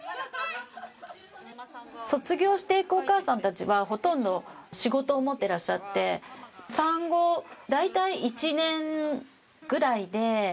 卒業していくお母さんたちはほとんど仕事を持ってらっしゃって産後大体１年ぐらいで社会復帰されていくんですね。